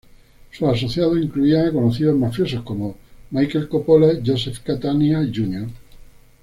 Sus asociados incluían a conocidos mafiosos como Michael Coppola, Joseph Catania Jr.